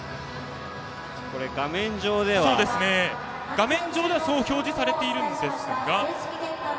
画面上ではそう表示されていますが。